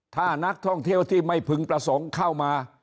ถ้านักท่องเที่ยวที่ไม่พึงประสงค์เข้ามา